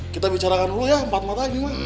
kita bicarakan dulu ya empat mata ini mah